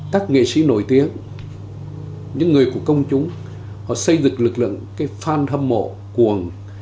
các nghệ sĩ nổi tiếng những người của công chúng họ xây dựng lực lượng fan hâm mộ cuồng